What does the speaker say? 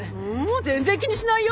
全然気にしないよ